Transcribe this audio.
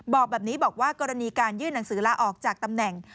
บอกแบบนี้บอกว่ากรณีการยื่นหนังสือลาออกจากตำแหน่ง